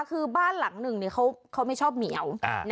คือบ้านหลังหนึ่งเขาไม่ชอบเหมียว